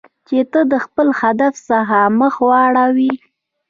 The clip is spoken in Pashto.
چې ته د خپل هدف څخه مخ واړوی.